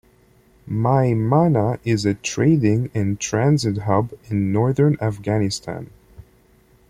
Maimana is a Trading and Transit Hub in northern Afghanistan.